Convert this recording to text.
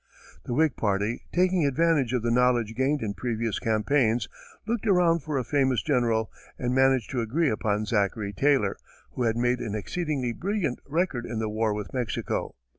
The Whig Party, taking advantage of the knowledge gained in previous campaigns, looked around for a famous general, and managed to agree upon Zachary Taylor, who had made an exceedingly brilliant record in the war with Mexico.